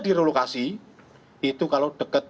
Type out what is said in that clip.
direlokasi itu kalau dekat